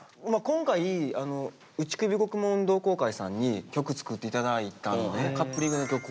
今回打首獄門同好会さんに曲作って頂いたのねカップリングの曲を。